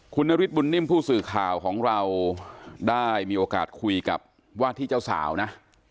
คุณนฤทธบุญนิ่มผู้สื่อข่าวของเราได้มีโอกาสคุยกับว่าที่เจ้าสาวนะ